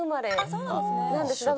そうなんですね。